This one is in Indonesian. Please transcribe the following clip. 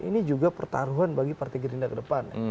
ini juga pertaruhan bagi partai gerindra kedepan